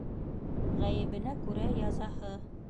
Ғәйебенә күрә язаһы.